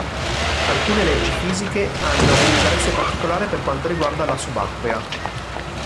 Alcune leggi fisiche hanno un interesse particolare per quanto riguarda la subacquea.